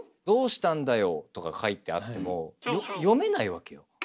「どうしたんだよ」とか書いてあっても読めないわけよ。